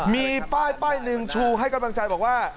มีป้ายหนึ่งชูให้กำลังใจบอกว่า